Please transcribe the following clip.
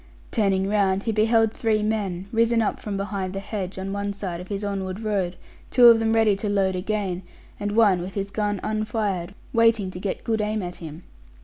Turning round he beheld three men, risen up from behind the hedge on one side of his onward road, two of them ready to load again, and one with his gun unfired, waiting to get good aim at him.